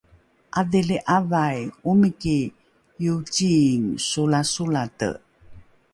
’adhili ’avai omiki iociing solasolate